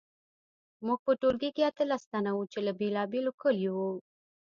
موږ په ټولګي کې اتلس تنه وو چې له بیلابیلو کلیو وو